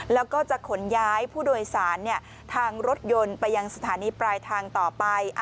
แล้วก็จะขนย้ายผู้โดยสารทางรถยนต์ไปยังสถานีปลายทางต่อไป